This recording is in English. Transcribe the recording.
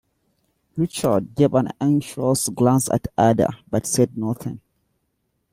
Richard gave an anxious glance at Ada but said nothing.